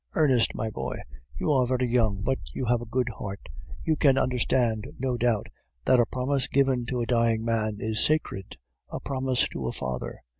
"'Ernest, my boy, you are very young; but you have a good heart; you can understand, no doubt, that a promise given to a dying man is sacred; a promise to a father...